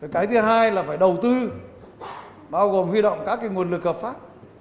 cái thứ hai là phải đầu tư bao gồm huy động các nguồn lực hợp pháp